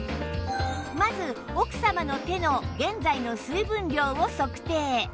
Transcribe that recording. まず奥様の手の現在の水分量を測定